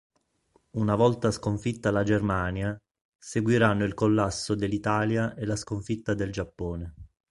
Una volta sconfitta la Germania, seguiranno il collasso dell'Italia e la sconfitta del Giappone".